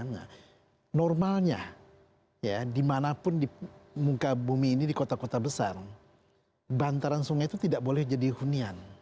nah normalnya ya dimanapun di muka bumi ini di kota kota besar bantaran sungai itu tidak boleh jadi hunian